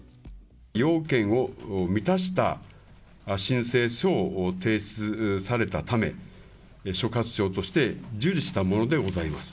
要件を満たした申請書を提出されたため、所轄庁として受理したものでございます。